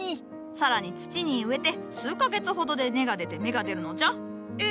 更に土に植えて数か月ほどで根が出て芽が出るのじゃ。え！